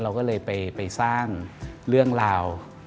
เราก็เลยไปสร้างเรื่องราว